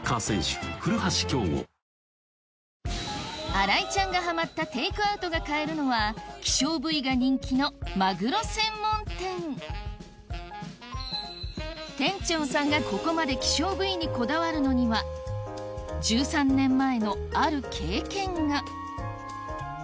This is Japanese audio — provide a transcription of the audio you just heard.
新井ちゃんがハマったテイクアウトが買えるのは希少部位が人気のマグロ専門店店長さんがここまで希少部位にこだわるのにはそこから。